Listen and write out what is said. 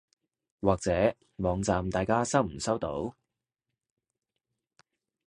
或者網站大家收唔收到？